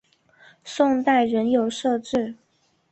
宋代仍有设置。